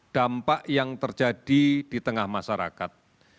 dampak yang terjadi di tengah masyarakat